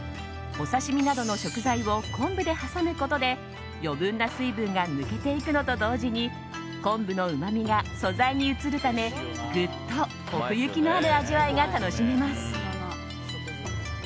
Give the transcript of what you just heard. お刺し身などの食材を昆布で挟むことで余分な水分が抜けていくのと同時に昆布のうまみが素材に移るためぐっと奥行きのある味わいが楽しめます。